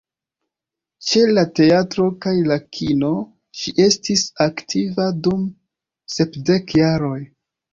Ĉe la teatro kaj la kino, ŝi estis aktiva dum sepdek jaroj.